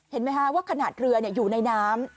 เห็นไหมคะว่าขนาดเรืออยู่ในน้ำ